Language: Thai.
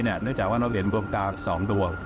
เนื่องจากะเรียนวงตาสองตัว